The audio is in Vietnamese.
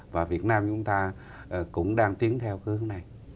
và việt nam chúng ta cũng đang tiến theo hướng này